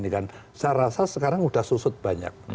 saya rasa sekarang sudah susut banyak